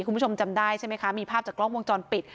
คุณผู้ชมจำได้ใช่ไหมคะมีภาพจากกล้องวงจรปิด